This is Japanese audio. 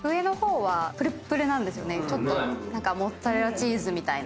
ちょっとモッツァレラチーズみたいな。